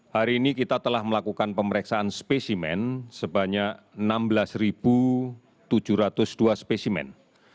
hari ini kita telah melakukan pemeriksaan spesimen sebanyak enam belas tujuh ratus dua spesimen